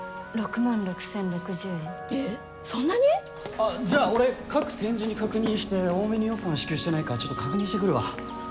あっじゃあ俺各展示に確認して多めに予算支給してないかちょっと確認してくるわ。